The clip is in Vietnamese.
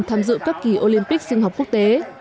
tham dự các kỳ olympic sinh học quốc tế